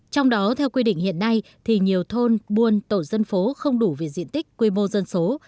trong đó theo quy định hiện nay thì nhiều thôn buôn tổ dân phố không đủ về diện tích quy mô dân số